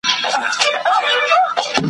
په خوب کي وینم چي کندهار وي `